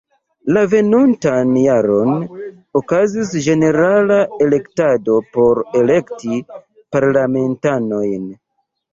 La venontan jaron okazis ĝenerala elektado por elekti parlamentanojn.